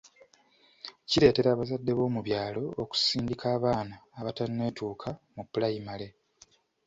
Kireetera abazadde b’omu byalo okusindika abaana abatanneetuuka mu pulayimale.